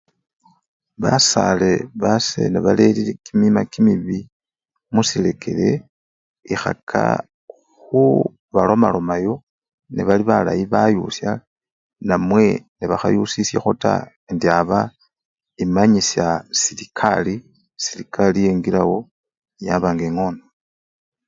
Basale base nebalerire kimima kimibi musirekere, ekhaka khubalomalomayo nebali balayi bayusya namwe nebakhayusisyekho ta indi abaa imanyisya serekari, serekari yengilawo yaba nga engona.